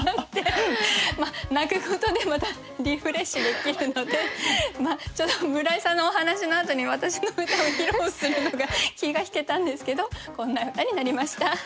泣くことでまたリフレッシュできるのでちょっと村井さんのお話のあとに私の歌を披露するのが気が引けたんですけどこんな歌になりました。